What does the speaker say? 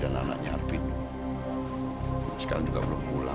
karena saya mau mencari teman saya yang kebetulan hidup di sana